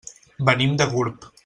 Venim de Gurb.